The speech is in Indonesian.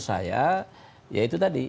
saya ya itu tadi